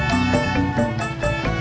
bang kopinya nanti aja ya